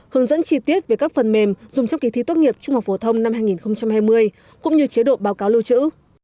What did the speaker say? hướng dẫn chi tiết về các phần mềm dùng trong kỳ thi tốt nghiệp trung học phổ thông năm hai nghìn hai mươi cũng như chế độ báo cáo lưu trữ